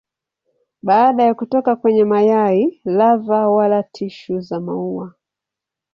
Baada ya kutoka kwenye mayai lava wala tishu za maua.